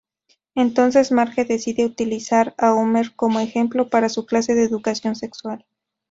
Entonces, Marge decide utilizar a Homer como ejemplo para su clase de educación sexual.